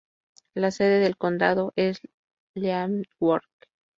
La sede del condado es Leavenworth.